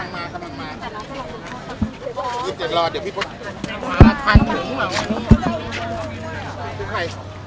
แล้วขอบคุณค่ะพูดล่ะว่าปริญญาที่ได้รับสาขาอะไรของคณะ